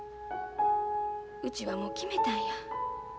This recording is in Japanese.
うちはもう決めたんや。